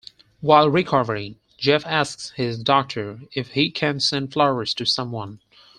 While recovering, Jeff asks his doctor if he can send flowers to someone.